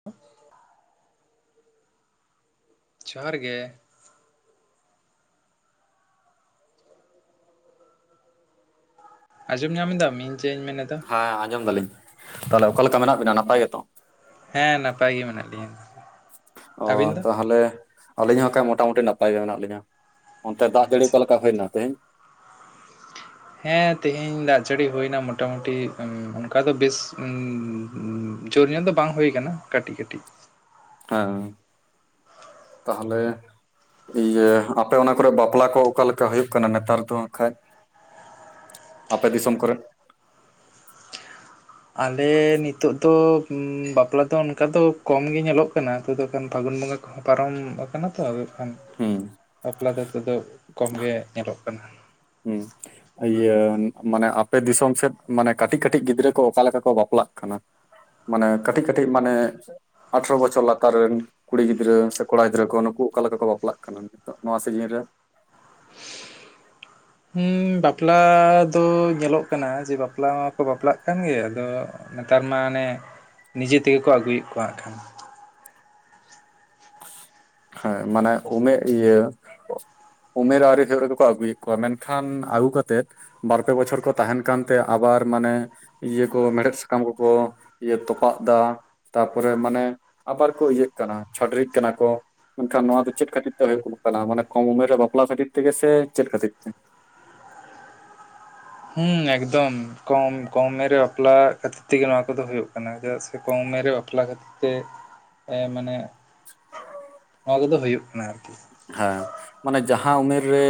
[inaudible] ᱡᱚᱦᱟᱨ ᱜᱮ᱾ ᱟᱸᱡᱚᱢ ᱧᱟᱢ ᱫᱟᱢ, ᱤᱧ ᱪᱮᱫ ᱤᱧ ᱢᱮᱱᱮ ᱮᱫᱟ? ᱦᱮᱸ ᱟᱸᱡᱚᱢ ᱫᱟᱞᱤᱧ ᱛᱟᱦᱚᱞᱮ ᱚᱠᱟ ᱞᱮᱠᱟ ᱢᱮᱱᱟᱜ ᱵᱤᱱᱟ ᱱᱟᱯᱟᱭ ᱜᱮᱛᱚ? ᱦᱮᱸ ᱱᱟᱯᱟᱭ ᱜᱮ ᱢᱮᱱᱟᱜ ᱞᱤᱧᱟ, ᱟᱹᱵᱤᱱ ᱫᱚ? ᱛᱟᱦᱞᱮ ᱟᱹᱞᱤᱧ ᱦᱚᱸᱠᱟᱡ ᱢᱚᱴᱟᱟᱢᱩᱴᱤ ᱱᱟᱯᱟᱭ ᱜᱮ ᱢᱮᱱᱟᱜ ᱞᱤᱧᱟ, ᱚᱱᱛᱮ ᱫᱟᱜ ᱡᱟᱹᱲᱤ ᱟᱪᱪᱷᱟ ᱚᱠᱟ ᱞᱮᱠᱟ ᱦᱩᱭᱱᱟ ᱛᱮᱦᱮᱧ? ᱦᱮᱸ ᱛᱮᱦᱮᱧ ᱫᱟᱜ ᱡᱟᱹᱲᱤ ᱦᱩᱭᱱᱟ ᱢᱚᱴᱟ ᱢᱩᱴᱤ ᱚᱱᱠᱟ ᱫᱚ ᱵᱮᱥ ᱩᱸ ᱩᱸ ᱡᱳᱨᱧᱚᱜ ᱫᱚ ᱵᱟᱝ ᱦᱩᱭᱩ ᱠᱟᱱᱟ ᱠᱟᱹᱴᱤᱡ ᱠᱟᱹᱴᱤᱡ᱾ ᱦᱮᱸ ᱛᱟᱦᱞᱮ ᱤᱭᱟᱹ ᱟᱯᱮ ᱚᱱᱟ ᱠᱚᱨᱮ ᱵᱟᱯᱞᱟ ᱠᱚ ᱚᱠᱟᱮᱠᱟ ᱦᱩᱭᱩᱜ ᱠᱟᱱᱟ ᱱᱮᱛᱟᱨ ᱫᱚᱜ ᱦᱟᱠᱷᱟᱡ? ᱟᱯᱮ ᱫᱤᱥᱚᱢ ᱠᱚᱨᱮᱫ? ᱟᱞᱮ ᱱᱤᱛᱚᱜ ᱫᱚ ᱵᱟᱯᱞᱟ ᱫᱚ ᱚᱱᱠᱟ ᱫᱚ ᱠᱚᱢ ᱜᱮ ᱧᱮᱞᱚᱜ ᱠᱟᱱᱟ, ᱟ ᱫᱚᱠᱷᱟᱱ ᱯᱷᱟᱹᱜᱩᱱ ᱵᱚᱸᱜᱟ ᱠᱚ ᱯᱟᱨᱚᱢ ᱟᱠᱟᱱᱟ ᱛᱚ, ᱟᱫᱚ ᱦᱟᱠᱷᱟᱱ ᱦᱩᱸ᱾ ᱵᱟᱯᱞᱟ ᱫᱚ ᱱᱤᱛᱚᱜ ᱫᱚ ᱠᱚᱢ ᱜᱮ ᱧᱮᱞᱚᱜ ᱠᱟᱱᱟ᱾ ᱦᱩᱸ᱾ ᱤᱭᱟᱹ ᱢᱟᱱᱮ ᱟᱯᱮ ᱫᱤᱥᱚᱢ ᱥᱮᱫ ᱢᱟᱱᱮ ᱠᱟᱹᱴᱤᱡ ᱠᱟᱹᱴᱤᱡ ᱜᱤᱫᱽᱨᱟᱹ ᱠᱚ ᱚᱠᱟ ᱞᱮᱠᱟ ᱠᱚ ᱵᱟᱯᱞᱟᱜ ᱠᱟᱱᱟ? ᱢᱟᱱᱮ ᱠᱟᱹᱴᱤᱡ ᱠᱟᱹᱴᱤᱡ ᱢᱟᱱᱮ ᱟᱴᱷᱨᱚ ᱵᱚᱪᱷᱚᱨ ᱞᱟᱛᱟᱨ ᱨᱮᱱ ᱠᱩᱲᱤ ᱜᱤᱫᱽᱨᱟᱹ ᱥᱮ ᱠᱚᱲᱟ ᱜᱤᱫᱽᱨᱟᱹ ᱠᱚ ᱱᱩᱠᱩ ᱚᱠᱟ ᱞᱮᱠᱟ ᱠᱚ ᱵᱟᱯᱞᱟᱜ ᱠᱟᱱᱟ? ᱱᱤᱛᱚᱜ ᱱᱚᱣᱟ ᱥᱤᱡᱤᱱ ᱨᱮ? ᱦᱩᱸ ᱵᱟᱯᱞᱟ ᱫᱚ ᱧᱮᱞᱚᱜ ᱠᱟᱱᱟ ᱡᱮ ᱵᱟᱯᱞᱟ ᱠᱚ ᱵᱟᱯᱞᱟᱜ ᱠᱟᱱ ᱜᱮᱭᱟ᱾ ᱟᱫᱚ ᱱᱮᱛᱟᱨ ᱢᱟ ᱚᱱᱮ ᱱᱤᱡᱮ ᱛᱮᱜᱮ ᱠᱚ ᱟᱹᱜᱩᱭᱮᱫ ᱠᱚᱣᱟ ᱦᱟᱸᱜ ᱠᱷᱟᱱ᱾ ᱦᱮᱸ ᱢᱟᱱᱮ ᱩᱢᱮᱨ ᱤᱭᱟᱹ ᱩᱢᱮᱨ ᱟᱹᱣᱨᱤ ᱦᱩᱭᱩᱜ ᱨᱮᱜᱮ ᱠᱚ, ᱟᱹᱜᱩᱭᱮᱫ ᱠᱚᱣᱟ ᱢᱮᱱᱠᱷᱟᱱ ᱟᱹᱜᱩ ᱠᱟᱛᱮᱫ ᱵᱟᱨ ᱯᱮ ᱵᱚᱪᱷᱚᱨ ᱠᱚ ᱛᱟᱦᱮᱸᱱ ᱠᱟᱱᱛᱮ ᱟᱵᱟᱨ ᱢᱟᱱᱮ ᱤᱭᱟᱹ ᱠᱚ ᱢᱮᱲᱦᱮᱫ ᱥᱟᱠᱟᱢ ᱠᱚᱠᱚ ᱤᱭᱟᱹ ᱛᱚᱯᱟᱜ ᱫᱟ ᱛᱟᱨᱯᱚᱨᱮ ᱢᱟᱱᱮ ᱟᱵᱟᱨ ᱠᱚ ᱤᱭᱟᱹᱜ ᱠᱟᱱᱟ ᱪᱷᱟᱹᱰᱨᱤᱜ ᱠᱟᱱᱟ ᱠᱚ᱾ ᱢᱮᱱᱠᱷᱟᱱ ᱱᱚᱣᱟ ᱫᱚ ᱪᱮᱫ ᱠᱷᱟᱹᱛᱤᱨ ᱛᱮ ᱦᱩᱭᱩᱜ ᱠᱟᱱᱟ? ᱢᱟᱱᱮ ᱠᱚᱢ ᱩᱢᱮᱨ ᱨᱮ ᱵᱟᱯᱞᱟ ᱠᱷᱟᱹᱛᱤᱨ ᱛᱮᱜᱮ ᱥᱮ ᱪᱮᱫ ᱠᱷᱟᱹᱛᱤᱨ ᱛᱮ? ᱦᱮᱸ ᱮᱠᱫᱚᱢ ᱠᱚᱢ ᱠᱚᱢᱮ ᱨᱮ ᱵᱟᱯᱞᱟ ᱠᱷᱟᱹᱛᱤᱨ ᱛᱮᱜᱮ ᱱᱚᱣᱟ ᱠᱚᱫᱚ ᱦᱩᱭᱩᱜ ᱠᱟᱱᱟ, ᱪᱮᱫᱟᱜ ᱥᱮ ᱥᱮ ᱠᱚᱢ ᱩᱢᱮᱨ ᱨᱮ ᱵᱟᱯᱞᱟ ᱠᱷᱟᱹᱛᱤᱨ ᱛᱮ ᱮ ᱢᱟᱱᱮ ᱱᱚᱣᱟ ᱠᱚᱫᱚ ᱦᱩᱭᱩᱜ ᱠᱟᱱᱟ ᱟᱨᱠᱤ᱾ ᱦᱮ᱾ ᱢᱟᱱᱮ ᱡᱟᱦᱟᱸ ᱩᱢᱮᱨ ᱨᱮ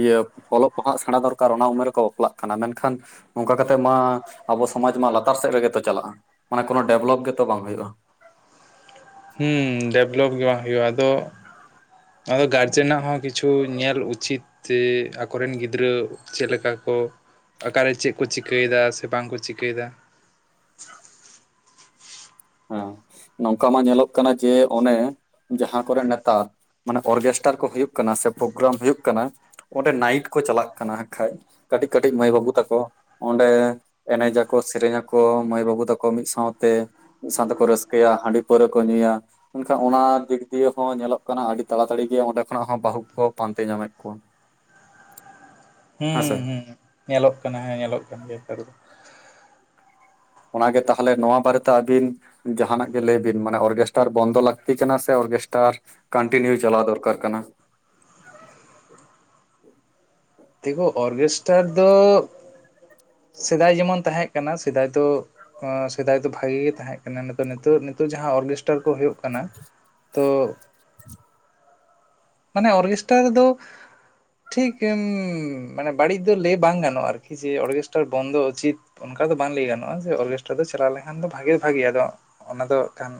ᱤᱭᱟᱹ ᱚᱞᱚᱜ ᱯᱟᱲᱦᱟᱜ ᱥᱮᱬᱟ ᱫᱚᱨᱠᱟᱨ, ᱚᱱᱟ ᱩᱢᱮᱨ ᱨᱮᱠᱚ ᱵᱟᱯᱞᱟᱜ ᱠᱟᱱᱟ ᱢᱮᱱᱠᱷᱟᱱ ᱚᱝᱠᱟ ᱠᱟᱛᱮᱜ ᱢᱟ ᱟᱵᱚ ᱥᱚᱢᱟᱡᱽ ᱢᱟ ᱞᱟᱛᱟᱨ ᱥᱮᱫ ᱨᱮᱜᱮᱛᱚ ᱪᱟᱞᱟᱜᱼᱟ, ᱢᱟᱱᱮ ᱠᱳᱱᱳ ᱰᱮᱵᱷᱞᱚᱯ ᱜᱮᱛᱚ ᱵᱟᱝ ᱦᱩᱭᱩᱜᱼᱟ᱾ ᱦᱩᱸ ᱰᱮᱵᱷᱞᱚᱯ ᱜᱮ ᱵᱟᱝ ᱦᱩᱭᱩᱜᱼᱟ ᱟᱫᱚ ᱟᱫᱚ ᱜᱟᱨᱡᱮᱱᱟᱜ ᱦᱚᱸ ᱠᱤᱪᱷᱩ ᱧᱮᱞ ᱩᱪᱤᱛ ᱪᱮ ᱟᱠᱚ ᱨᱮᱱ ᱜᱤᱫᱽᱨᱟᱹ ᱪᱮᱫ ᱞᱮᱠᱟ ᱠᱚ ᱚᱠᱟᱨᱮ ᱪᱮᱫ ᱠᱚ, ᱪᱤᱠᱟᱹ ᱮᱫᱟ ᱥᱮ ᱵᱟᱝ ᱠᱚ ᱪᱤᱠᱟᱹᱭᱮᱫᱟ? ᱦᱮᱸ, ᱱᱚᱝᱠᱟ ᱢᱟ ᱧᱮᱞᱚᱜ ᱠᱟᱱᱟ, ᱡᱮ, ᱚᱱᱮ, ᱡᱟᱦᱟᱸ ᱠᱚᱨᱮ, ᱱᱮᱛᱟᱨ ᱢᱟᱱᱮ, ᱚᱨᱜᱮᱥᱴᱟᱨ ᱠᱚ, ᱦᱩᱭᱩᱜ ᱠᱟᱱᱟ, ᱥᱮ ᱯᱨᱳᱜᱨᱟᱢ ᱦᱩᱭᱩᱜ ᱠᱟᱱᱟ ᱾ ᱚᱸᱰᱮ ᱱᱟᱭᱤᱴ ᱠᱚ, ᱪᱟᱞᱟᱜ ᱠᱟᱱᱟ ᱠᱷᱟᱡᱽ ᱠᱟᱹᱴᱤᱡ, ᱠᱟᱹᱴᱤᱡ ᱢᱟᱹᱭ, ᱵᱟᱹᱵᱩ ᱛᱟᱠᱚ ᱚᱸᱰᱮ, ᱮᱱᱮᱡ ᱟᱠᱚ, ᱥᱮᱨᱮᱧᱟᱠᱚ, ᱢᱟᱹᱭ ᱵᱟᱹᱵᱩ ᱛᱟᱠᱚ, ᱢᱤᱫ ᱥᱟᱶᱛᱮ ᱢᱤᱫ ᱥᱟᱶᱛᱮ ᱠᱚ, ᱨᱟᱹᱥᱠᱟᱹᱭᱟ, ᱦᱟᱺᱰᱤ ᱯᱟᱹᱣᱨᱟᱹ ᱠᱚ ᱧᱩᱭᱟ ᱢᱮᱱᱠᱷᱟᱱ, ᱚᱱᱟ ᱫᱤᱠᱫᱤᱭᱮ ᱦᱚ ᱧᱮᱞᱚᱜ ᱠᱟᱱᱟ ᱾ ᱟᱹᱰᱤ ᱛᱟᱲᱟ ᱛᱟᱲᱤ ᱜᱮ, ᱚᱸᱰᱮ ᱠᱷᱚᱱᱟᱜ ᱦᱚᱸ, ᱵᱟᱦᱩ ᱠᱚᱠᱚ, ᱯᱟᱱᱛᱮ ᱧᱟᱢᱮᱫ ᱠᱚᱣᱟ ᱾ ᱦᱩᱸᱻ ᱦᱮᱸᱥᱮ ᱦᱩᱸ, ᱧᱮᱞᱚᱜ ᱠᱟᱱᱟ, ᱦᱮᱸ ᱧᱮᱞᱚᱜ ᱠᱟᱱ ᱜᱮᱭᱟ, ᱱᱮᱛᱟᱨ ᱫᱚ ᱾ ᱚᱱᱟ ᱜᱮ, ᱛᱟᱦᱚᱞᱮ ᱱᱚᱣᱟ ᱵᱟᱨᱮ ᱛᱮ, ᱟᱹᱵᱤᱱ ᱡᱟᱦᱟᱸᱱᱟᱜ ᱜᱮ, ᱞᱟᱹᱭ ᱵᱤᱱ, ᱢᱟᱱᱮ ᱚᱨᱜᱮᱥᱴᱟᱨ ᱵᱚᱱᱫᱚ, ᱞᱟᱹᱠᱛᱤ ᱠᱟᱱᱟ ᱥᱮ, ᱚᱨᱜᱮᱥᱴᱟᱨ ᱠᱟᱱᱴᱤᱱᱤᱭᱩ, ᱪᱟᱞᱟᱣ ᱫᱚᱨᱠᱟᱨ ᱠᱟᱱᱟ ᱾ ᱫᱮᱠᱷᱚ, ᱚᱨᱜᱮᱥᱴᱟᱨ ᱫᱚ, ᱥᱮᱫᱟᱭ ᱡᱮᱢᱚᱱ ᱛᱟᱦᱮᱸᱜ ᱠᱟᱱᱟ, ᱥᱮᱫᱟᱭ ᱫᱚ ᱥᱮᱫᱟᱭ ᱫᱚ ᱵᱷᱟᱜᱤ ᱜᱮ, ᱛᱟᱦᱮᱸᱜ ᱠᱟᱱᱟ, ᱱᱤᱛᱚᱜ, ᱱᱤᱛᱚᱜ ᱡᱟᱦᱟᱸ, ᱚᱨᱜᱮᱥ ᱴᱟᱨ ᱠᱚ ᱦᱩᱳᱜ ᱠᱟᱱᱟ, ᱛᱚ ᱢᱟᱱᱮ, ᱚᱨᱜᱮᱥᱴᱨᱟ ᱫᱚ, ᱴᱷᱤᱠ ᱩᱻ ᱢᱟᱱᱮ, ᱵᱟᱹᱲᱤᱡ ᱫᱚ ᱞᱮᱟᱹᱭ ᱵᱟᱝ ᱜᱟᱱᱚᱜ, ᱟᱨᱠᱤ ᱡᱮ, ᱚᱨᱜᱮᱥᱴᱟᱨ ᱵᱚᱱᱫᱚ ᱩᱪᱤᱛ ᱚᱱᱠᱟ ᱫᱚ, ᱵᱟᱝ ᱞᱟᱹᱭ ᱜᱟᱱᱚᱜᱼᱟ, ᱡᱮ, ᱚᱨᱜᱮᱥᱴᱨᱟ ᱫᱚ, ᱪᱟᱞᱟᱣ ᱞᱮᱱᱠᱷᱟᱱ ᱫᱚ, ᱵᱷᱟᱜᱮ, ᱵᱷᱟᱜᱮᱼᱟ ᱾ ᱟᱫᱚ, ᱚᱱᱟ ᱫᱚ ᱠᱷᱟᱱ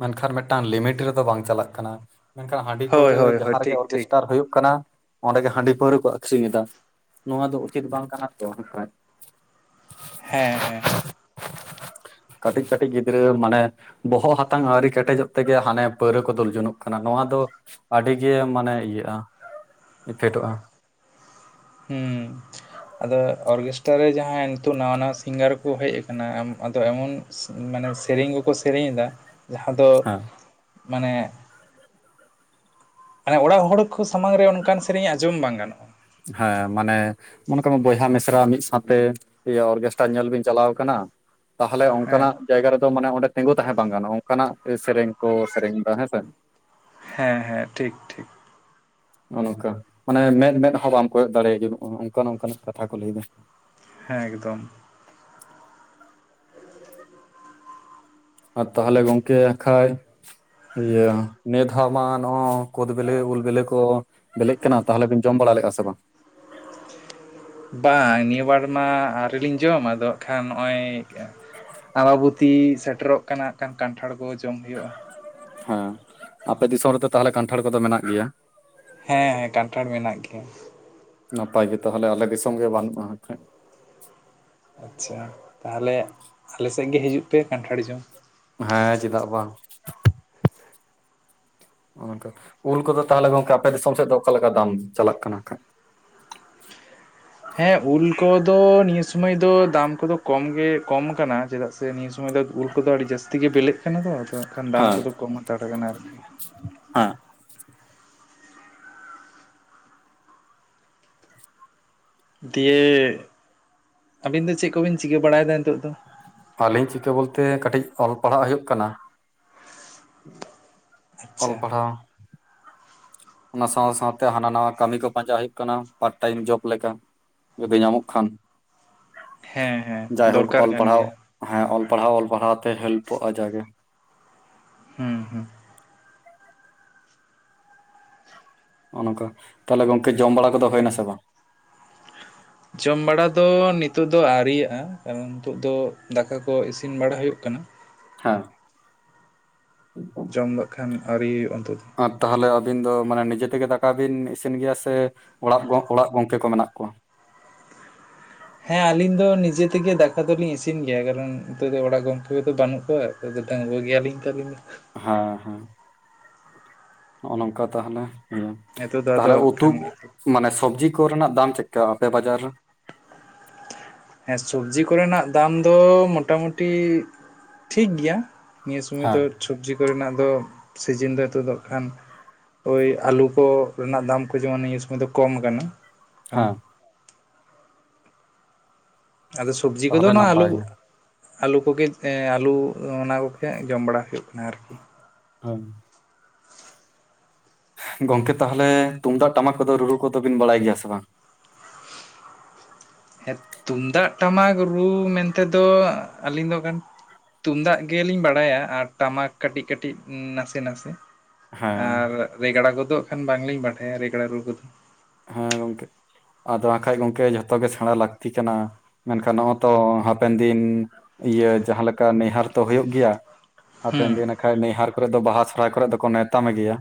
ᱢᱮᱱᱠᱷᱟᱱ, ᱢᱮᱫᱴᱟᱱ ᱞᱤᱢᱤᱴ ᱨᱮᱫᱚ, ᱵᱟᱝ ᱪᱟᱞᱟᱜ ᱠᱟᱱᱟ ᱾ ᱢᱮᱱᱠᱷᱟᱱ, ᱦᱟᱺᱰᱤ ᱦᱳᱭ ᱯᱟᱹᱣᱨᱟᱹ ᱦᱳᱭ ᱦᱳᱭ ᱡᱟᱦᱟᱸ ᱨᱮᱜᱮ, ᱴᱷᱤᱠ ᱴᱷᱤᱠ ᱚᱨᱠᱮᱥᱴᱟᱨ ᱦᱩᱭᱩᱜ ᱠᱟᱱᱟ ᱚᱸᱰᱮ ᱜᱮ, ᱦᱟᱺᱰᱤ ᱯᱟᱹᱣᱨᱟᱹ ᱠᱚ, ᱟᱠᱷᱨᱤᱧ ᱮᱫᱟ ᱾ ᱱᱚᱣᱟ ᱫᱚ ᱩᱪᱤᱛ ᱵᱟᱝ ᱠᱟᱱᱟ ᱛᱚ ᱾ ᱦᱮᱻᱸ ᱦᱮᱸᱻ ᱾ ᱠᱟᱹᱴᱤᱡ ᱠᱟᱹᱴᱤᱡ, ᱜᱤᱫᱽᱨᱟᱹ, ᱢᱟᱱᱮ ᱵᱚᱦᱚᱜ ᱦᱟᱛᱟᱝ ᱟᱹᱣᱨᱤ, ᱠᱮᱴᱮᱡᱚᱜ ᱛᱮᱜᱮ, ᱦᱟᱱᱮ, ᱯᱟᱹᱣᱨᱟᱹ ᱠᱚ ᱫᱩᱞ ᱡᱚᱱᱚᱜ ᱠᱟᱱᱟ ᱾ ᱱᱚᱣᱟ ᱫᱚ ᱟᱹᱰᱤ ᱜᱮ, ᱢᱟᱱᱮ, ᱤᱭᱟᱹᱜᱼᱟ ᱤᱯᱷᱮᱠᱴᱚᱜᱼᱟ ᱾ ᱦᱮᱸᱻ ᱾ ᱟᱫᱚ, ᱚᱨᱜᱮᱥᱴᱟᱨ ᱨᱮ ᱡᱟᱦᱟᱸᱭ ᱱᱤᱛᱚᱜ, ᱱᱟᱣᱟ ᱱᱟᱣᱟ, ᱥᱤᱝᱜᱟᱨ ᱠᱚ ᱦᱮᱡ ᱟᱠᱟᱱᱟ ᱾ ᱟᱫᱚ, ᱮᱢᱚᱱ ᱢᱟᱱᱮ, ᱥᱮᱨᱮᱧ ᱜᱮᱠᱚ, ᱥᱮᱨᱮᱧ ᱮᱫᱟ ᱾ ᱡᱟᱦᱟᱸ ᱫᱚ, ᱦᱮᱸ ᱢᱟᱱᱮ ᱢᱟᱱᱮ, ᱚᱲᱟᱜ ᱦᱚᱲ ᱠᱚ, ᱥᱟᱢᱟᱝ ᱨᱮ, ᱚᱱᱠᱟᱱ ᱥᱮᱨᱮᱧ ᱟᱸᱡᱚᱢ, ᱵᱟᱝ ᱜᱟᱱᱚᱜᱼᱟ ᱾ ᱦᱮᱸᱻ ᱢᱟᱱᱮ, ᱢᱚᱱᱮ ᱠᱟᱜ ᱢᱮ, ᱵᱚᱭᱦᱟ ᱢᱤᱥᱨᱟ ᱢᱤᱫ ᱥᱟᱶᱛᱮ, ᱚᱨᱜᱮᱥᱴᱨᱟ ᱧᱮᱞ ᱵᱤᱱ ᱪᱟᱞᱟᱣ ᱠᱟᱱᱟ ᱛᱟᱦᱚᱞᱮ, ᱦᱮᱸ ᱚᱱᱠᱟᱱᱟᱜ ᱡᱟᱭᱜᱟ ᱨᱮᱫᱚ, ᱢᱟᱱᱮ, ᱚᱸᱰᱮ ᱛᱤᱸᱜᱩ ᱛᱟᱦᱮᱸ ᱵᱟᱝ ᱜᱟᱱᱚᱜᱼᱟ, ᱚᱱᱠᱟᱱᱟᱜ ᱥᱮᱨᱮᱧ ᱠᱚ, ᱥᱮᱨᱮᱧ ᱮᱫᱟ, ᱦᱮᱸᱥᱮ ᱾ ᱦᱮᱸᱻ ᱦᱮᱸᱻ ᱴᱷᱤᱠ, ᱴᱷᱤᱠ ᱾ ᱱᱚᱜ ᱱᱚᱝᱠᱟ ᱾ ᱢᱟᱱᱮ, ᱢᱮᱫ ᱢᱮᱫ ᱦᱚᱸ, ᱵᱟᱢ ᱠᱚᱭᱚᱜ ᱫᱟᱲᱮᱭᱟᱜᱼᱟ, ᱚᱱᱠᱟ ᱱᱚᱝᱠᱟᱱᱟᱜ ᱠᱟᱛᱷᱟ ᱠᱚ ᱞᱟᱹᱭᱮᱫᱟ ᱾ ᱦᱮᱸ ᱮᱠᱫᱚᱢ ᱾ ᱟᱨ, ᱛᱟᱦᱚᱞᱮ ᱜᱚᱝᱠᱮ, ᱮᱱᱠᱷᱟᱡ ᱤᱭᱟᱹ, ᱱᱤᱭᱟ. ᱫᱷᱟᱣ ᱢᱟ, ᱱᱚᱜᱻᱚᱭ ᱠᱳᱫ ᱵᱤᱞᱤ, ᱩᱞ ᱵᱤᱞᱮ ᱠᱚ ᱵᱤᱞᱮᱜ ᱠᱟᱱᱟ, ᱛᱟᱦᱚᱞᱮ ᱵᱤᱱ, ᱡᱚᱢ ᱵᱟᱲᱟ ᱞᱮᱜᱼᱟ ᱥᱮ ᱵᱟᱝ? ᱵᱟᱝ, ᱱᱤᱭᱟᱹ ᱵᱟᱨ ᱢᱟ, ᱟᱹᱣᱨᱤᱞᱤᱧ ᱡᱚᱢ, ᱟᱫᱚ ᱠᱷᱟᱱ, ᱱᱚᱜᱼᱚᱭ ᱟᱢᱵᱟᱵᱚᱛᱤᱥ ᱥᱮᱴᱮᱨᱚᱜ ᱠᱟᱱᱟ ᱠᱷᱟᱱ, ᱠᱟᱱᱴᱷᱟᱲ ᱠᱚ, ᱡᱚᱢ ᱦᱩᱭᱩᱜᱼᱟ ᱾ ᱦᱮᱸ, ᱟᱯᱮ ᱫᱤᱥᱚᱢ ᱨᱮᱫᱚ ᱛᱟᱦᱚᱞᱮ, ᱠᱟᱱᱴᱷᱟᱲ ᱠᱚᱫᱚ, ᱢᱮᱱᱟᱜ ᱜᱮᱭᱟ ᱾ ᱦᱮᱸᱻ ᱦᱮᱸᱻ, ᱠᱟᱱᱴᱷᱟᱲ ᱢᱮᱱᱟᱜ ᱜᱮᱭᱟ ᱾ ᱱᱟᱯᱟᱭ ᱜᱮ ᱛᱟᱦᱚᱞᱮ, ᱟᱞᱮ ᱫᱤᱥᱚᱢ ᱜᱮ, ᱵᱟᱹᱱᱩᱜᱼᱟ, ᱮᱱᱠᱷᱟᱡ ᱟᱪᱪᱷᱟ, ᱛᱟᱦᱚᱞᱮ, ᱟᱞᱮ ᱥᱮᱫ ᱜᱮ, ᱦᱤᱡᱩᱜ ᱯᱮ, ᱠᱟᱱᱴᱷᱟᱲ ᱡᱚᱢ ᱾ ᱦᱮᱸ ᱪᱮᱫᱟᱜ ᱵᱟᱝ᱾ ᱩᱞ ᱠᱚᱫᱚ ᱛᱟᱦᱚᱞᱮ ᱜᱚᱝᱠᱮ ᱟᱯᱮ ᱫᱤᱥᱚᱢ ᱥᱮᱫ ᱫᱚ ᱚᱠᱟ ᱞᱮᱠᱟ ᱫᱟᱢ ᱪᱟᱞᱟᱜ ᱠᱟᱱᱟ ᱠᱷᱟᱡ? ᱦᱮᱸ ᱩᱞ ᱠᱚᱫᱚ ᱱᱤᱭᱟᱹ ᱥᱩᱢᱟᱹᱭ ᱫᱚ ᱫᱟᱢ ᱠᱚᱫᱚ ᱠᱚᱢ ᱜᱮ ᱠᱚᱢ ᱠᱟᱱᱟ, ᱪᱮᱫᱟᱜ ᱥᱮ ᱱᱤᱭᱟᱹ ᱥᱩᱢᱚᱭ ᱫᱚ ᱩᱞ ᱠᱚᱫᱚ ᱟᱹᱰᱤ ᱡᱟᱹᱥᱛᱤ ᱜᱮ ᱵᱞᱮᱜ ᱠᱟᱱᱟ ᱛᱚ ᱟᱫᱚ ᱠᱷᱟᱱ ᱫᱟᱢ ᱠᱚᱫᱚ ᱠᱚᱢ ᱦᱟᱛᱟᱲ ᱠᱟᱱᱟ ᱟᱨᱠᱤ᱾ ᱦᱟᱸ᱾ ᱫᱤᱭᱮ ᱟᱹᱵᱤᱱ ᱫᱚ ᱪᱮᱫ ᱠᱚᱵᱤᱱ ᱪᱤᱠᱟᱹ ᱵᱟᱲᱟᱭᱮᱫᱟ ᱱᱤᱛᱚᱜ ᱫᱚ? ᱟᱹᱞᱤᱧ ᱪᱤᱠᱟᱹ ᱵᱚᱞᱛᱮ ᱠᱟᱹᱴᱤᱡ ᱚᱞ ᱯᱟᱲᱦᱟᱜ ᱦᱩᱭᱩᱜ ᱠᱟᱱᱟ᱾ ᱚᱞ ᱟᱪᱪᱷᱟ ᱯᱟᱲᱦᱟᱣ ᱚᱱᱟ ᱥᱟᱶ ᱥᱟᱶᱛᱮ ᱦᱟᱱᱟ ᱱᱟᱣᱟ ᱠᱟᱹᱢᱤ ᱠᱚ ᱯᱟᱸᱡᱟ ᱦᱩᱭᱩᱜ ᱠᱟᱱᱟ ᱯᱟᱨᱴ ᱴᱟᱭᱤᱢ ᱡᱚᱵ ᱞᱮᱠᱟ᱾ ᱡᱫᱤ ᱧᱟᱢᱚᱜ ᱠᱷᱟᱱ, ᱦᱮᱸ ᱦᱮᱸ ᱡᱟᱭᱦᱳᱠ ᱫᱚᱨᱠᱟᱨ ᱚᱞ ᱠᱟᱱ ᱯᱟᱲᱦᱟᱣ ᱜᱮᱭᱟ ᱦᱮᱸ ᱚᱞ ᱯᱟᱲᱦᱟᱣ ᱚᱞ ᱯᱟᱲᱦᱟᱣ ᱛᱮ ᱦᱮᱞᱯᱚᱜᱼᱟ ᱡᱟᱜᱮ᱾ ᱦᱩᱸ ᱦᱩᱸ᱾ ᱱᱚᱸᱜᱼᱚ ᱱᱚᱝᱠᱟ ᱛᱟᱞᱦᱮ ᱜᱚᱝᱠᱮ ᱡᱚᱢ ᱵᱟᱲᱟ ᱠᱚᱫᱚ ᱦᱩᱭ ᱱᱟᱥᱮ ᱵᱟᱝ? ᱡᱚᱢ ᱵᱟᱲᱟ ᱫᱚ ᱱᱤᱛᱚᱜ ᱫᱚ ᱟᱹᱣᱨᱤᱭᱟᱜᱼᱟ᱾ ᱠᱟᱨᱚᱱ ᱱᱤᱛᱳ ᱫᱚ ᱫᱟᱠᱟ ᱠᱚ ᱤᱥᱤᱱ ᱵᱟᱲᱟ ᱦᱩᱭᱩᱜ ᱠᱟᱱᱟ᱾ ᱦᱮᱸ᱾ ᱡᱚᱢ ᱫᱚ ᱦᱟᱸᱠᱷᱟᱱ ᱟᱹᱣᱨᱤ ᱦᱩᱭᱩᱜᱼᱟ ᱱᱤᱛᱚᱜ ᱫᱚ᱾ ᱟᱨ ᱛᱟᱦᱞᱮ ᱟᱹᱵᱤᱱ ᱫᱚ ᱢᱟᱱᱮ ᱱᱤᱡᱮ ᱛᱮᱜᱮ ᱫᱟᱠᱟ ᱵᱤᱱ ᱤᱥᱤᱱ ᱜᱮᱭᱟ ᱥᱮ ᱚᱲᱟᱜ ᱜᱚᱝ ᱚᱲᱟᱜ ᱜᱚᱝᱠᱮ ᱠᱚ ᱢᱮᱱᱟᱜ ᱠᱚᱣᱟ? ᱦᱮᱸ ᱟᱹᱞᱤᱧ ᱫᱚ ᱱᱤᱡᱮ ᱛᱮᱜᱮ ᱫᱟᱠᱟ ᱫᱚᱞᱤᱧ ᱤᱥᱤᱱ ᱜᱮᱭᱟ, ᱠᱟᱨᱚᱱ ᱱᱤᱛᱚᱜ ᱫᱚ ᱚᱲᱟᱜ ᱜᱚᱢᱠᱮ ᱠᱚᱫᱚ ᱵᱟᱹᱱᱩᱜ ᱠᱚᱣᱟ, ᱱᱤᱛᱳᱜ ᱫᱚ ᱰᱟᱹᱜᱩᱭᱟᱹ ᱜᱮᱭᱟᱞᱤᱧ ᱛᱟᱹᱞᱤᱧ ᱫᱚ᱾ ᱦᱮᱸ ᱦᱮᱸ᱾ ᱱᱚᱜᱼᱚ ᱱᱚᱝᱠᱟ ᱛᱟᱦᱚᱞᱮ ᱤᱭᱟᱹ, ᱱᱤᱛᱚᱜ ᱫᱚ ᱟᱫᱚ ᱛᱟᱦᱚᱞᱮ ᱩᱛᱩ ᱠᱷᱟᱱ ᱢᱟᱱᱮ ᱥᱚᱵᱡᱤ ᱠᱚᱨᱮᱱᱟᱜ ᱫᱟᱢ ᱪᱮᱫ ᱠᱟ ᱟᱯᱮ ᱵᱟᱡᱟᱨ ᱨᱮ? ᱦᱮᱸ ᱥᱚᱵᱡᱤ ᱠᱚᱨᱮᱱᱟᱜ ᱫᱟᱢ ᱫᱚ ᱢᱚᱴᱟᱢᱩᱴᱤ ᱴᱷᱤᱠ ᱜᱮᱭᱟ, ᱱᱤᱭᱟᱹ ᱥᱚᱢᱚᱭ ᱦᱮᱸ ᱫᱚ ᱥᱚᱵᱡᱤ ᱠᱚᱨᱮᱱᱟᱜ ᱫᱚ ᱥᱤᱡᱤᱱ ᱫᱚ ᱱᱤᱛᱚ ᱫᱚ ᱱᱟᱜᱼᱠᱷᱟᱱ ᱳᱭ ᱟᱹᱞᱩ ᱠᱚ ᱨᱮᱱᱟᱜ ᱫᱟᱢ ᱠᱚ ᱡᱮᱢᱚᱱ ᱱᱤᱭᱟᱹ ᱥᱚᱢᱚᱭ ᱫᱚ ᱠᱚᱢ ᱠᱟᱱᱟ, ᱦᱮᱸ᱾ ᱟᱫᱚ ᱥᱚᱵᱡᱤ ᱠᱚᱫᱚ ᱛᱟᱦᱚᱞᱮ ᱱᱚᱣᱟ ᱟᱞᱩ ᱱᱟᱯᱟᱭ ᱜᱮ ᱟᱹᱞᱩ ᱠᱚᱜᱮ ᱮᱸ ᱟᱹᱞᱩ ᱚᱱᱟ ᱠᱚᱜᱮ ᱡᱚᱢ ᱵᱟᱲᱟ ᱦᱩᱭᱩᱜ ᱠᱟᱱᱟ ᱟᱨᱠᱤ᱾ ᱦᱳᱭ᱾ ᱜᱚᱝᱠᱮ ᱛᱟᱦᱚᱞᱮ ᱛᱩᱢᱫᱟᱜ ᱴᱟᱢᱟᱠ ᱠᱚᱫᱚ ᱨᱩ ᱨᱩ ᱠᱚᱫᱚ ᱵᱤᱱ ᱵᱟᱲᱟᱭ ᱜᱮᱭᱟ ᱥᱮ ᱵᱟᱝ? ᱦᱮᱸ ᱛᱩᱢᱫᱟᱜ ᱴᱟᱢᱟᱠ ᱨᱩ ᱢᱮᱱᱛᱮ ᱫᱚ ᱟᱹᱞᱤᱧ ᱫᱚ ᱠᱟᱱ ᱛᱩᱢᱫᱟᱜ ᱜᱮᱞᱤᱧ ᱵᱟᱲᱟᱭᱟ ᱟᱨ ᱴᱟᱢᱟᱠ ᱠᱟᱹᱴᱤᱡ ᱠᱟᱹᱴᱤᱡ ᱱᱟᱥᱮ ᱱᱟᱥᱮ᱾ ᱦᱮᱸ ᱟᱨ ᱨᱮᱜᱽᱲᱟ ᱠᱚᱫᱚ ᱦᱟᱸᱜ ᱠᱷᱟᱱ ᱵᱟᱝᱞᱤᱧ ᱵᱟᱰᱟᱭᱟ ᱨᱮᱜᱽᱲᱟ ᱨᱩ ᱠᱚᱫᱚ᱾ ᱦᱮᱸ ᱜᱚᱢᱠᱮ ᱟᱫᱚ ᱦᱟᱸᱠᱷᱟᱡ ᱜᱚᱢᱠᱮ ᱡᱷᱚᱛᱚ ᱜᱮ ᱥᱮᱬᱟ ᱞᱟᱹᱠᱛᱤ ᱠᱟᱱᱟ, ᱢᱮᱱᱠᱷᱟᱱ ᱱᱚᱜᱣᱟ ᱛᱚ ᱦᱟᱯᱮᱱ ᱫᱤᱱ ᱤᱭᱟᱹ ᱡᱟᱦᱟᱸ ᱞᱮᱠᱟ ᱱᱟᱹᱭᱦᱟᱨ ᱛᱚ ᱦᱩᱭᱩᱜ ᱜᱮᱭᱟ, ᱦᱟᱯᱮᱱ ᱦᱩᱸ ᱫᱤᱱ ᱱᱟᱠᱷᱟᱡ ᱱᱟᱹᱭᱦᱟᱨ ᱠᱚᱨᱮ ᱫᱚ ᱵᱟᱦᱟ ᱥᱚᱦᱚᱨᱟᱭ ᱠᱚᱨᱮ ᱫᱚ ᱠᱚ ᱱᱮᱣᱸᱛᱟ ᱢᱮ ᱜᱮᱭᱟ,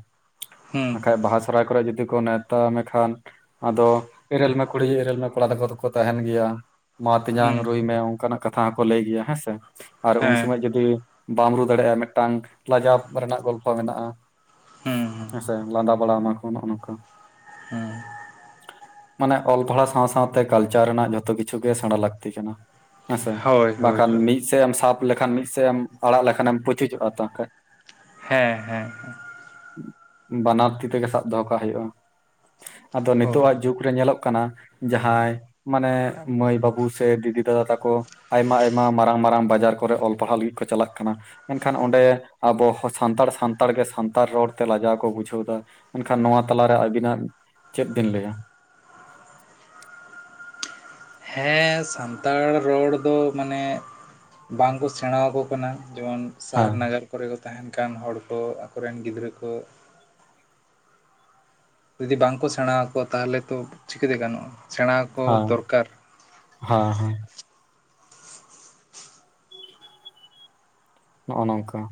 ᱦᱩᱸ ᱵᱟᱠᱷᱟᱡ ᱵᱟᱦᱟ ᱥᱚᱦᱚᱨᱟᱭ ᱠᱚᱨᱮ ᱡᱩᱫᱤ ᱠᱚ ᱱᱮᱶᱛᱟ ᱠᱷᱟᱱ ᱟᱫᱚ ᱮᱨᱮᱞ ᱢᱮ ᱠᱩᱲᱤ ᱮᱨᱮᱞ ᱢᱮ ᱠᱚᱲᱟ ᱛᱟᱠᱚ ᱫᱚᱠᱚ ᱛᱟᱦᱮᱸᱱ ᱜᱮᱭᱟ, ᱢᱟ ᱦᱩᱸ ᱛᱮᱧᱟᱝ ᱨᱩᱭ ᱢᱮ ᱚᱝᱠᱟᱱᱟᱜ ᱠᱟᱛᱷᱟ ᱦᱚᱸᱠᱚ ᱞᱟᱹᱭ ᱜᱮᱭᱟ ᱦᱮᱸᱥᱮ ᱟᱨ ᱩᱱ ᱦᱮᱸ ᱥᱚᱢᱚᱭ ᱡᱩᱫᱤ ᱵᱟᱢ ᱨᱩ ᱫᱟᱲᱮᱭᱟᱜᱼᱟ ᱢᱤᱫᱴᱟᱝ ᱞᱟᱡᱟᱣ ᱠᱚᱨᱮᱱᱟᱜ ᱜᱚᱞᱯᱚ ᱢᱮᱱᱟᱜᱼᱟ ᱦᱩᱸ ᱦᱩᱸ ᱦᱮᱸᱥᱮ᱾ ᱥᱮ ᱞᱟᱸᱫᱟ ᱚᱱᱟ ᱠᱚ ᱱᱚᱜᱼᱚ ᱱᱚᱝᱠᱟ, ᱦᱮᱸ᱾ ᱢᱟᱱᱮ ᱚᱞ ᱯᱟᱲᱦᱟᱣ ᱥᱟᱸᱣ ᱥᱟᱸᱣᱛᱮ ᱠᱟᱞᱪᱟᱨ ᱨᱮᱱᱟᱜ ᱡᱷᱚᱛᱚ ᱠᱤᱪᱷᱩ ᱜᱮ ᱥᱮᱬᱟ ᱞᱟᱹᱠᱛᱤ ᱠᱟᱱᱟ᱾ ᱦᱮᱸᱥᱮ, ᱦᱳᱭ ᱦᱳᱭ ᱵᱟᱠᱷᱟᱱ ᱦᱳᱭ ᱢᱤᱜ ᱥᱮᱜ ᱮᱢ ᱥᱟᱵ ᱞᱮᱠᱷᱟᱱ ᱢᱤᱫ ᱥᱮᱫ ᱮᱢ ᱟᱲᱟᱜ ᱞᱮᱠᱷᱟᱱ ᱮᱢ ᱯᱩᱪᱩᱪᱚᱜᱼᱟ ᱛᱚ ᱦᱟᱜ ᱠᱷᱟᱡ ᱾ ᱦᱮᱸ, ᱦᱮᱸ, ᱦᱮᱸ ᱾ ᱵᱟᱱᱟᱨ ᱛᱤ ᱛᱮᱜᱮ ᱥᱟᱵ ᱫᱚᱦᱚ ᱠᱟᱜ ᱦᱩᱭᱩᱜᱼᱟ᱾ ᱟᱫᱚ ᱱᱤᱛᱳᱜ ᱦᱳᱭ ᱟᱜ ᱡᱩᱜᱽ ᱨᱮ ᱧᱮᱞᱚᱜ ᱠᱟᱱᱟ ᱡᱟᱦᱟᱸᱭ ᱢᱟᱱᱮ ᱢᱟᱹᱭ ᱵᱟᱹᱵᱩ ᱥᱮ ᱫᱤᱫᱤ ᱫᱟᱫᱟ ᱛᱟᱠᱚ ᱟᱭᱢᱟ ᱟᱭᱢᱟ ᱢᱟᱨᱟᱝ ᱢᱟᱨᱟᱝ ᱵᱟᱡᱟᱨ ᱠᱚᱨᱮ ᱚᱞ ᱯᱟᱲᱦᱟᱜ ᱞᱟᱹᱜᱤᱫ ᱠᱚ ᱪᱟᱞᱟᱜ ᱠᱟᱱᱟ ᱾ ᱢᱮᱱᱠᱷᱟᱱ ᱚᱸᱰᱮ ᱟᱵᱚ ᱦᱚ ᱥᱟᱱᱛᱟᱲ ᱥᱟᱱᱛᱟᱲ ᱜᱮ ᱥᱟᱱᱛᱟᱲ ᱨᱚᱲᱛᱮ ᱞᱟᱡᱟᱣ ᱠᱚ ᱵᱩᱡᱷᱟᱹᱣᱫᱟ ᱾ ᱢᱮᱱᱠᱷᱟᱱ ᱱᱚᱣᱟ ᱛᱟᱞᱟᱨᱮ ᱟᱹᱵᱤᱱᱟᱜ ᱪᱮᱫ ᱵᱤᱱ ᱞᱟᱹᱭᱟ? ᱦᱮᱸ, ᱥᱟᱱᱛᱟᱲ ᱨᱚᱲ ᱫᱚ ᱢᱟᱱᱮ ᱵᱟᱝ ᱠᱚ ᱥᱮᱬᱟ ᱟᱠᱚ ᱠᱟᱱᱟ, ᱡᱮᱢᱚᱱ ᱦᱮᱸ ᱥᱟᱦᱟᱨ ᱱᱟᱜᱟᱨ ᱠᱚᱨᱮ ᱠᱚ ᱛᱟᱦᱮᱸᱱ ᱠᱟᱱ ᱦᱚᱲ ᱠᱚ ᱟᱠᱚᱨᱮᱱ ᱜᱤᱫᱽᱨᱟᱹ ᱠᱚ ᱾ ᱡᱩᱫᱤ ᱵᱟᱝ ᱠᱚ ᱥᱮᱬᱟ ᱟᱠᱚ ᱛᱟᱦᱚᱞᱮ ᱛᱚ ᱪᱤᱠᱟᱹᱛᱮ ᱜᱟᱱᱚᱜᱼᱟ, ᱥᱮᱬᱟ ᱦᱟᱸ, ᱦᱟᱸ, ᱦᱟᱸ ᱾ ᱱᱚᱜᱼᱚ ᱱᱚᱝᱠᱟ ᱾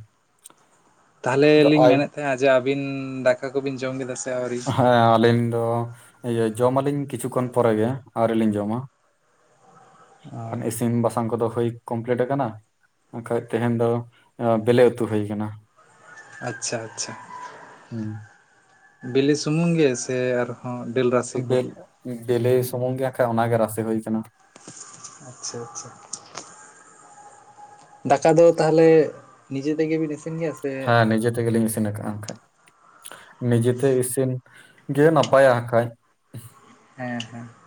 ᱛᱟᱦᱚᱞᱮ ᱞᱤᱧ ᱢᱮᱱᱮᱫ ᱛᱟᱦᱮᱸ ᱡᱟ ᱟᱹᱵᱤᱱ ᱫᱟᱠᱟ ᱠᱚ ᱵᱤᱱ ᱡᱚᱢ ᱠᱮᱫᱟ ᱥᱮ ᱟᱹᱣᱨᱤ ᱦᱮᱸ ᱟᱹᱞᱤᱧ ᱫᱚ ᱤᱭᱟᱹ ᱡᱚᱢᱟᱞᱤᱧ ᱠᱤᱪᱷᱩ ᱠᱷᱚᱱ ᱯᱚᱨᱮ ᱜᱮ ᱟᱹᱣᱨᱤ ᱞᱤᱧ ᱡᱚᱢᱟ᱾ ᱚ ᱠᱷᱟᱱ ᱤᱥᱤᱱ ᱵᱟᱥᱟᱝ ᱠᱚᱫᱚ ᱦᱳᱭ ᱠᱚᱢᱯᱞᱤᱴ ᱟᱠᱟᱱᱟ ᱾ ᱦᱟᱜ ᱠᱷᱟᱡ ᱛᱮᱦᱮᱱ ᱫᱚ ᱚ ᱵᱮᱞᱮ ᱩᱛᱩ ᱦᱩᱭ ᱠᱟᱱᱟ᱾ ᱟᱪᱪᱷᱟ ᱟᱪᱪᱷᱟ, ᱦᱩᱸ ᱵᱤᱞᱤ ᱥᱩᱢᱩᱝ ᱜᱮ ᱥᱮ ᱟᱨᱦᱚᱸ ᱰᱟᱹᱞ ᱨᱟᱥ ᱵᱮᱞ ᱵᱮᱞᱮ ᱥᱩᱢᱩᱝ ᱜᱮ ᱦᱟᱜ ᱠᱷᱟᱡ ᱚᱱᱟᱜᱮ ᱨᱟᱥᱮ ᱦᱩᱭ ᱠᱟᱱᱟ᱾ ᱟᱪᱪᱷᱟ, ᱟᱪᱪᱷᱟ ᱾ ᱫᱟᱠᱟ ᱫᱚ ᱛᱟᱦᱚᱞᱮ ᱱᱤᱡᱮ ᱛᱮᱜᱮ ᱵᱤᱱ ᱤᱥᱤ ᱦᱮᱸ, ᱱᱤᱡᱮ ᱛᱮᱜᱮᱞᱤᱧ ᱤᱥᱤᱱ ᱟᱠᱟᱜᱼᱟ ᱦᱟᱜ ᱠᱷᱟᱡ ᱾ ᱱᱤᱡᱮᱛᱮ ᱤᱥᱤᱱ ᱜᱮ ᱱᱟᱯᱟᱭᱟ ᱦᱟᱜ ᱠᱷᱟᱡ ᱾ ᱦᱮᱸ, ᱦᱮᱸ ᱾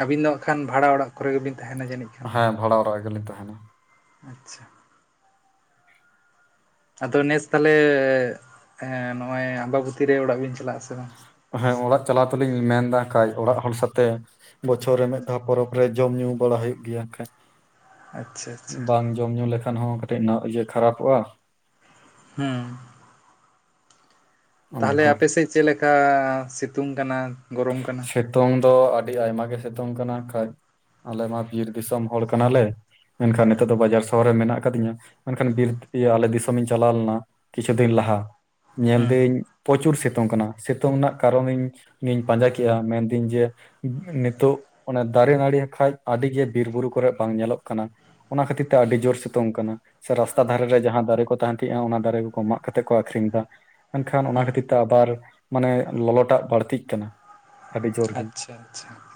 ᱟᱹᱵᱤᱱ ᱫᱚ ᱦᱟᱸᱜ ᱠᱷᱟᱱ ᱵᱷᱟᱲᱟ ᱚᱲᱟᱜ ᱠᱚᱨᱮ ᱜᱮᱵᱤᱱ ᱛᱟᱦᱮᱱᱟ ᱡᱟᱹᱱᱤᱡ? ᱠᱷᱟᱱ ᱦᱮᱸ, ᱵᱷᱟᱲᱟ ᱚᱲᱟᱜ ᱨᱮᱜᱮᱞᱤᱧ ᱛᱟᱦᱮᱱᱟ ᱾ ᱟᱪᱪᱷᱟ ᱾ ᱟᱫᱚ ᱱᱮᱥ ᱛᱟᱦᱞᱮ ᱮᱸ ᱱᱚᱜᱼᱚᱭ ᱟᱢᱵᱟᱵᱚᱛᱤ ᱨᱮ ᱚᱲᱟᱜ ᱵᱮᱱ ᱪᱟᱞᱟᱜ ᱟᱥᱮ ᱵᱟᱝ? ᱦᱮᱸ, ᱚᱲᱟᱜ ᱪᱟᱞᱟᱣ ᱛᱚᱞᱤᱧ ᱢᱮᱱ ᱫᱟ ᱦᱟᱜ ᱠᱷᱟᱡ ᱚᱲᱟᱜ ᱦᱚᱲ ᱥᱟᱛᱮ ᱵᱚᱪᱷᱚᱨ ᱨᱮ ᱢᱤᱫ ᱫᱷᱟᱣ ᱯᱚᱨᱚᱵᱽ ᱨᱮ ᱡᱚᱢᱼ ᱧᱩ ᱵᱟᱲᱟ ᱦᱩᱭᱩᱜ ᱜᱮᱭᱟ ᱦᱟᱜ ᱠᱷᱟᱡ ᱾ ᱟᱪᱪᱷᱟ ᱟᱪᱪᱷᱟ ᱵᱟᱝ ᱡᱚᱢ ᱧᱩ ᱞᱮᱠᱷᱟᱱ ᱦᱚᱸ ᱠᱟᱹᱴᱤᱡ ᱱᱟ ᱤᱭᱟᱹ ᱠᱷᱟᱨᱟᱯᱚᱜᱼᱟ ᱾ ᱦᱮᱸ ᱾ ᱚᱱᱮ ᱛᱟᱦᱚᱞᱮ ᱚᱱᱠᱟ ᱟᱯᱮᱥᱮᱡ ᱪᱮᱫ ᱞᱮᱠᱟ ᱥᱤᱛᱩᱝ ᱠᱟᱱᱟ, ᱜᱚᱨᱚᱢ ᱠᱟᱱᱟ? ᱥᱮᱛᱳᱝ ᱫᱚ ᱟᱹᱰᱤ ᱟᱭᱢᱟ ᱜᱮ ᱥᱮᱛᱳᱝ ᱠᱟᱱᱟ ᱦᱟᱜ ᱠᱷᱟᱡ, ᱟᱞᱮᱢᱟ ᱵᱤᱨ ᱫᱤᱥᱚᱢ ᱦᱚᱲ ᱠᱟᱱᱟᱞᱮ ᱾ ᱢᱮᱱᱠᱷᱟᱱ ᱱᱤᱛᱚᱜ ᱫᱚ ᱵᱟᱡᱟᱨ ᱥᱚᱦᱚᱨ ᱨᱮ ᱢᱮᱱᱟᱜ ᱟᱠᱟᱫᱤᱧᱟ, ᱢᱮᱱᱠᱷᱟᱱ ᱵᱤᱨ ᱤᱭᱟᱹ ᱟᱞᱮ ᱫᱤᱥᱚᱢᱤᱧ ᱪᱟᱞᱟᱣ ᱞᱮᱱᱟ ᱠᱤᱪᱷᱩ ᱫᱤᱱ ᱞᱟᱦᱟ, ᱦᱩᱸ ᱧᱮᱞᱫᱟᱹᱧ ᱯᱚᱪᱩᱨ ᱥᱮᱛᱩᱝ ᱠᱟᱱᱟ ᱥᱮᱛᱩᱝ ᱨᱮᱱᱟᱜ ᱠᱟᱨᱚᱱᱤᱧ ᱤᱧ ᱯᱟᱸᱡᱟ ᱠᱮᱜᱼᱟ ᱢᱮᱱᱫᱟᱹᱧ ᱡᱮ ᱱᱮᱛᱚᱜ ᱚᱱᱮ ᱫᱟᱨᱮ ᱱᱟᱹᱲᱤ ᱦᱟᱜ ᱠᱷᱟᱡ ᱟᱹᱰᱤᱜᱮ ᱵᱤᱨ ᱵᱩᱨᱩ ᱠᱚᱨᱮᱜ ᱵᱟᱝ ᱧᱮᱞᱚᱜ ᱠᱟᱱᱟ ᱾ ᱚᱱᱟ ᱠᱷᱟᱹᱛᱤᱨ ᱛᱮ ᱟᱹᱰᱤ ᱦᱩᱸ ᱡᱳᱨ ᱥᱮ ᱛᱳᱝ ᱠᱟᱱᱟ, ᱥᱮ ᱨᱟᱥᱛᱟ ᱫᱷᱟᱨᱮ ᱨᱮ ᱡᱟᱦᱟᱸ ᱫᱟᱨᱮ ᱠᱚ ᱛᱟᱦᱮᱱ ᱛᱟᱸᱦᱤᱜᱼᱟ ᱚᱱᱟ ᱫᱟᱨᱮ ᱠᱚᱠᱚ ᱢᱟᱜ ᱠᱟᱛᱮᱫ ᱠᱚ ᱟᱠᱷᱨᱤᱧ ᱫᱟ ᱾ ᱢᱮᱱᱠᱷᱟᱱ ᱚᱱᱟ ᱦᱩᱸ ᱠᱷᱟᱹᱛᱤᱨ ᱛᱮ ᱟᱵᱟᱨ ᱢᱟᱱᱮ ᱞᱚᱞᱚᱴᱟᱜ ᱵᱟᱹᱲᱛᱤᱜ ᱠᱟᱱᱟ ᱾ ᱟᱪᱪᱷᱟ, ᱟᱪᱪᱷᱟ ᱾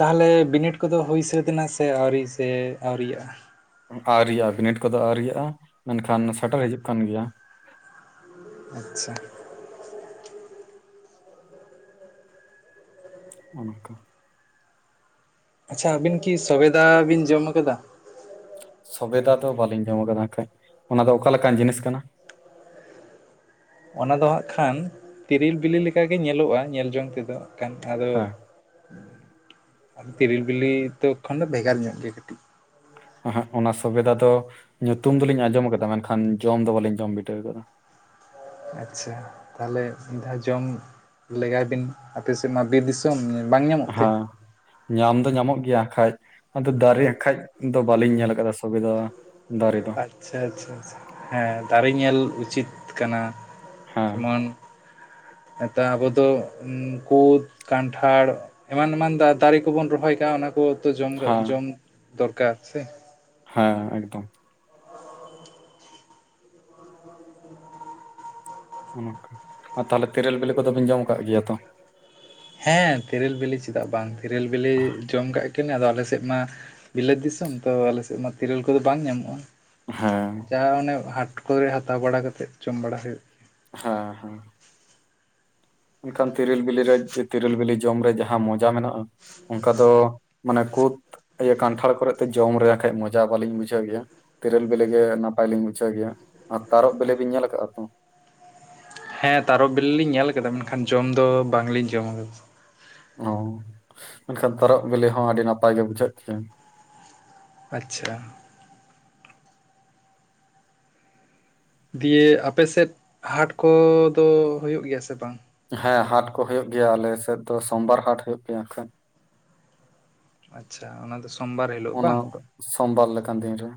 ᱛᱟᱦᱚᱞᱮ ᱵᱤᱱᱤᱰ ᱠᱚᱫᱚ ᱦᱩᱭ ᱥᱟᱹᱛ ᱮᱱᱟ ᱥᱮ ᱟᱹᱣᱨᱤ ᱥᱮ ᱟᱹᱣᱨᱤᱭᱟᱜᱼᱟ? ᱟᱨᱭᱟ ᱵᱤᱱᱤᱰ ᱠᱚᱫᱚ ᱟᱹᱨ ᱨᱮᱭᱟᱜᱼᱟ ᱢᱮᱱᱠᱷᱟᱱ ᱥᱮᱴᱮᱨ ᱦᱤᱡᱩᱜ ᱠᱟᱱ ᱜᱮᱭᱟ᱾ ᱟᱪᱷᱟ ᱚᱱᱠᱟ ᱟᱪᱷᱟ ᱟᱹᱵᱤᱱ ᱠᱤ ᱥᱵᱮᱫᱟ ᱵᱤᱱ ᱡᱚᱢ ᱟᱠᱟᱫᱟ? ᱥᱵᱤᱫᱟ ᱫᱚ ᱵᱟᱹᱞᱤᱧ ᱡᱚᱢ ᱟᱠᱟᱫᱟ ᱠᱟ. ᱡ ᱚᱱᱟ ᱫᱚ ᱚᱠᱟ ᱞᱮᱮᱠᱟᱱ ᱡᱤᱱᱤᱥ ᱠᱟᱱᱟ? ᱚᱱᱟ ᱫᱚ ᱦᱟᱸᱜ ᱠᱷᱟᱱ ᱛᱤᱨᱤᱞ ᱵᱤᱞᱤ ᱞᱮᱠᱟᱜᱮ ᱧᱮᱞᱚᱜᱼᱟ ᱧᱮᱞ ᱡᱚᱝ ᱛᱮᱫᱚ ᱠᱟᱱᱛᱷᱟ ᱫᱚ ᱦᱮᱸ ᱛᱤᱨᱞ ᱵᱤᱞᱤ ᱛᱚᱠᱷᱚᱱ ᱫᱚ ᱵᱷᱮᱜᱟᱨ ᱧᱚᱜ ᱜᱮᱭᱟ ᱠᱟᱹᱴᱤᱡ ᱦ ᱦᱮᱸ ᱚᱱᱟ ᱥᱩᱵᱮᱫᱟ ᱫᱚ ᱧᱩᱛᱩᱢ ᱫᱚᱞᱤᱧ ᱟᱸᱡᱚᱢ ᱟᱠᱟᱫᱟ ᱢᱮᱱᱠᱷᱟᱱ ᱡᱚᱢ ᱫᱚ ᱵᱟᱞᱤᱧ ᱡᱚᱢ ᱵᱤᱴᱟᱹᱣ ᱟᱠᱟᱫᱟ ᱟᱪᱷᱟ ᱛᱟᱦᱚᱞᱮ ᱢᱤᱫ ᱫᱷᱟᱣ ᱡᱚᱢ ᱞᱮᱜᱟᱭ ᱵᱤᱱ ᱟᱯᱮᱥᱮᱫ ᱢᱟ ᱵᱤᱨ ᱮᱠᱚᱢ ᱵᱟᱝ ᱧᱟᱢᱚᱜ ᱛᱮ ᱦᱮᱸ ᱧᱟᱢ ᱫᱚ ᱧᱟᱢᱚᱜ ᱜᱮᱭᱟ ᱠᱷᱟᱡ ᱟᱫᱚ ᱫᱟᱨᱮ ᱠᱷᱟᱡ ᱫᱚ ᱵᱟᱞᱤᱧ ᱧᱮᱞ ᱟᱠᱟᱫᱟ ᱥᱩᱵᱮᱫᱟ ᱫᱟᱨᱮ ᱫᱚ ᱟᱪᱷᱟ-ᱟᱪᱷᱟ ᱦᱮᱸ ᱫᱟᱨᱮ ᱧᱮᱞ ᱩᱪᱤᱛ ᱠᱟᱱᱟ ᱦᱮᱸ ᱡᱮᱢᱚᱱ ᱱᱮᱛᱟᱨ ᱟᱵᱚ ᱫᱚ ᱠᱩᱫ, ᱠᱟᱱᱴᱷᱟᱲ ᱮᱢᱟᱱ-ᱮᱢᱟᱱ ᱫᱟᱨᱮ ᱠᱚᱵᱩᱱ ᱨᱚᱦᱚᱭ ᱠᱟᱜᱼᱟ ᱚᱱᱟ ᱠᱚ ᱡᱚ- ᱦᱮᱸ ᱡᱚᱢ ᱫᱚᱨᱠᱟᱨ ᱥᱮ ᱦᱮᱸᱻᱦᱮᱸ ᱮᱠᱫᱚᱢ ᱚᱱᱚᱱᱠᱟ ᱟᱨ ᱛᱟᱦᱚᱞᱮ ᱛᱮᱨᱮᱞ ᱵᱤᱞᱤ ᱠᱚᱫᱚᱵᱤᱱ ᱡᱚᱢ ᱟᱠᱟᱫ ᱜᱮᱭᱟ ᱛᱚ ᱦᱮᱸ ᱛᱮᱨᱮᱞ ᱵᱤᱞᱤ ᱪᱮᱫᱟᱜ ᱵᱟᱝ ᱛᱮᱨᱮᱞ ᱵᱤᱞᱤ ᱡᱚᱢ ᱠᱟᱜ ᱜᱤᱭᱟᱞᱤᱧ ᱟᱫᱚ ᱟᱞᱮ ᱥᱮᱫ ᱢᱟ ᱵᱤᱞᱟᱹᱛ ᱫᱤᱥᱚᱢ ᱛᱚ ᱟᱞᱮᱥᱮᱫ ᱢᱟ ᱛᱤᱨᱟᱹᱞ ᱠᱚᱫᱚ ᱵᱟᱝ ᱧᱟᱢᱚᱜᱼᱟ᱾ ᱦᱮᱸᱻ ᱡᱟᱦᱟᱸ ᱚᱱᱮ ᱦᱟᱴ ᱠᱚᱨᱮ ᱦᱟᱛᱟᱣ ᱵᱟᱲᱟ ᱠᱟᱛᱮᱫ ᱡᱚᱢ ᱵᱟᱲᱟ ᱦᱩᱭᱩᱜ ᱦᱮᱸᱻᱦᱮᱸ ᱢᱮᱱᱠᱷᱟᱱ ᱛᱤᱨᱤᱞ ᱵᱤᱞᱤᱨᱮ ᱛᱤᱨᱤᱞ ᱵᱤᱞᱤ ᱡᱚᱢ ᱨᱮ ᱡᱟᱦᱟᱸ ᱢᱚᱡᱟ ᱢᱮᱱᱟᱜᱼᱟ ᱚᱱᱠᱟ ᱫᱚ ᱢᱟᱱᱮ ᱠᱩᱫ ᱤᱭᱟᱹ ᱠᱟᱱᱴᱷᱟᱲ ᱠᱚᱨᱮ ᱫᱚ ᱡᱚᱢ ᱨᱮ ᱠᱷᱟᱡ ᱢᱚᱡᱟ ᱵᱟᱹᱞᱤᱧ ᱵᱩᱡᱷᱟᱹᱣ ᱜᱮᱭᱟ ᱛᱤᱨᱤᱞ ᱵᱤᱞᱤ ᱜᱮ ᱱᱟᱯᱟᱭ ᱞᱤᱧ ᱵᱩᱡᱷᱟᱹᱣ ᱜᱮᱭᱟ ᱟᱨ ᱛᱟᱨᱚᱵ ᱵᱮᱤᱞᱤ ᱵᱮᱤᱱ ᱧᱮᱞ ᱟᱠᱟᱫᱼᱟ ᱛᱚ? ᱦᱮᱸ ᱛᱟᱨᱚᱵ ᱵᱤᱞᱤ ᱞᱤᱧ ᱧᱮᱞ ᱟᱠᱟᱫᱟ ᱢᱮᱱᱠᱷᱟᱱ ᱡᱚᱢ ᱫᱚ ᱵᱟᱝᱞᱤᱧ ᱡᱚᱢ ᱟᱠᱟᱫᱟ ᱚ ᱢᱮᱱᱠᱷᱟᱱ ᱛᱚᱨᱚᱵ ᱵᱤᱞᱤ ᱦᱚᱸ ᱟᱹᱰᱤ ᱱᱟᱯᱟᱭ ᱜᱮ ᱵᱩᱡᱷᱟᱹᱜ ᱜᱮᱭᱟ᱾ ᱟᱪᱷᱟ ᱫᱤᱭᱟ. ᱟᱯᱮᱥᱮᱫ ᱦᱟᱴ ᱠᱚᱫᱚ ᱦᱩᱭᱩᱜ ᱜᱮᱭᱟ ᱥᱮ ᱵᱟᱝ? ᱦᱮᱸ ᱦᱟᱴ ᱠᱚ ᱦᱩᱭᱩᱜ ᱜᱮᱭᱟ ᱟᱞᱮᱥᱮᱫ ᱫᱚ ᱥᱚᱢᱵᱟᱨ ᱦᱟᱴ ᱦᱩᱭᱩᱜ ᱜᱮᱭᱟ᱾ ᱟᱪᱷᱟ ᱚᱱᱟ ᱫᱚ ᱥᱚᱢᱵᱟᱨ ᱚᱱᱟ ᱥᱚᱢᱵᱟᱨ ᱞᱮᱠᱟᱱ ᱫᱤᱱ ᱨᱮ